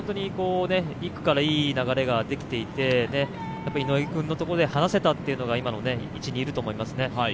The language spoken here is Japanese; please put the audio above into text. １区からいい流れができていて、井上君のところで離せたというのが今の位置にいると思いますね。